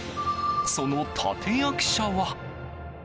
その立役者は。